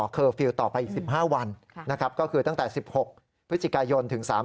เคอร์ฟิลล์ต่อไปอีก๑๕วันนะครับก็คือตั้งแต่๑๖พฤศจิกายนถึง๓๐